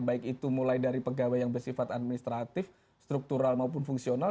baik itu mulai dari pegawai yang bersifat administratif struktural maupun fungsional